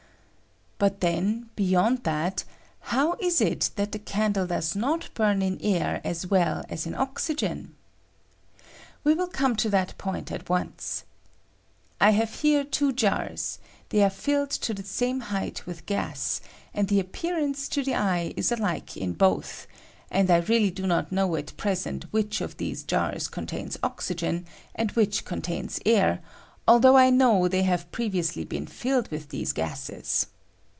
But then, beyond that, how is it that the candle does not burn in air as well as in oxygen ? We will come to that point at once. I have here two jars ; they are filled to the same height with gas, and the appearance to the eye ia alike in both, and I really do not know at present which of these jars contains oxygen and which contains air, although I know they have previously been filled with these gases.